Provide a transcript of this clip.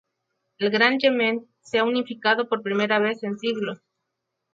El Gran Yemen se ha unificado por primera vez en siglos.